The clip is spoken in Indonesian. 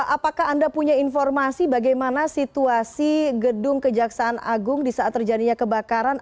apakah anda punya informasi bagaimana situasi gedung kejaksaan agung di saat terjadinya kebakaran